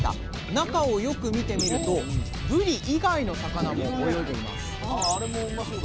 中をよく見てみるとぶり以外の魚も泳いでいます。